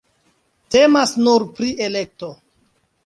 Temas nur pri elekto.